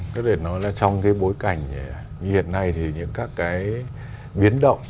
có thể nói là trong cái bối cảnh như hiện nay thì những các cái biến động